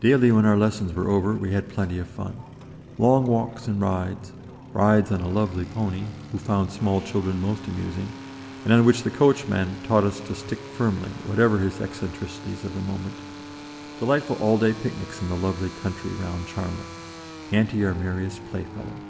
Daily, when our lessons were over, we had plenty of fun; long walks and rides, rides on a lovely pony, who found small children most amusing, and on which the coachman taught us to stick firmly, whatever his eccentricities of the moment; delightful all day picnics in the lovely country round Charmouth, Auntie our merriest playfellow.